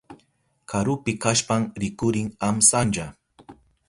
Karupi kashpan rikurin amsanlla.